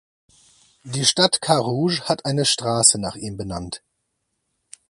Die Stadt Carouge hat eine Strasse nach ihm benannt.